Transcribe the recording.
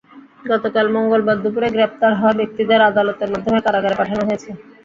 গতকাল মঙ্গলবার দুপুরে গ্রেপ্তার হওয়া ব্যক্তিদের আদালতের মাধ্যমে কারাগারে পাঠানো হয়েছে।